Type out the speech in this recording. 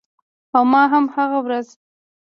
او ما هم هغه ورځ